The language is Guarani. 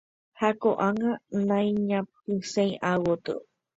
ha ko'ág̃a naiñapysẽi ágotyo.